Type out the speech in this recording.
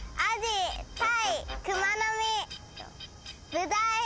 ブダイ。